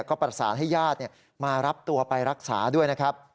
ก็ประสานให้ญาติมารับตัวไปรักษาด้วยนะครับ